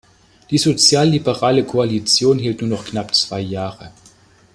Die sozialliberale Koalition hielt nur noch knapp zwei Jahre.